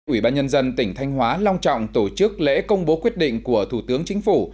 ủy ban nhân dân tỉnh thanh hóa long trọng tổ chức lễ công bố quyết định của thủ tướng chính phủ